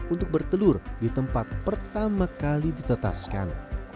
untuk bertelur di tempat pertama kali ditetaskan